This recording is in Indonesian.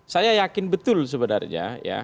saya yakin betul sebenarnya ya